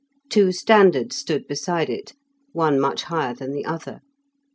Two standards stood beside it; one much higher than the other.